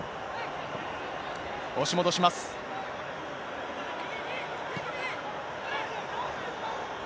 押し戻します。